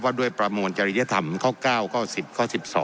ด้วยประมวลจริยธรรมข้อ๙ข้อ๑๐ข้อ๑๒